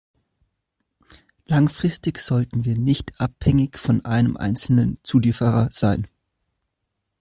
Langfristig sollten wir nicht abhängig von einem einzelnen Zulieferer sein.